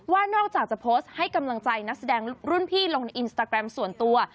ว่านอกจากจะโพสต์ให้กำลังใจนักแสดงรุ่นพี่ลงในอินสตาแกรมส่วนตัว